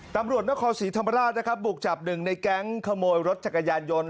ตำรวจนครศรีธรรมราชนะครับบุกจับหนึ่งในแก๊งขโมยรถจักรยานยนต์